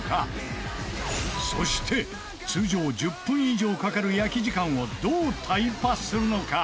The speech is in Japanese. そして通常１０分以上かかる焼き時間をどうタイパするのか？